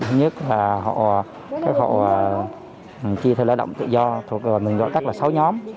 thứ nhất là các hộ chia theo lãi động tự do thuộc mình gọi tắt là sáu nhóm